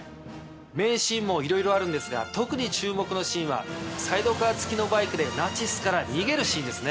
名シーンもいろいろあるんですが特に注目のシーンはサイドカー付きのバイクでナチスから逃げるシーンですね。